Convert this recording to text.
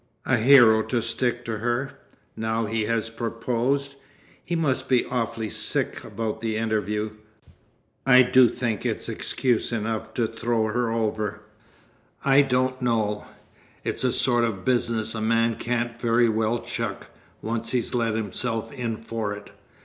A hero to stick to her, now he has proposed. He must be awfully sick about the interview. I do think it's excuse enough to throw her over." "I don't know. It's the sort of business a man can't very well chuck, once he's let himself in for it.